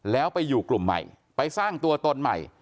แล้วไปอยู่กลุ่มใหม่ไปสร้างตัวตนใหม่